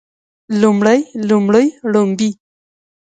لومړی لومړۍ ړومبی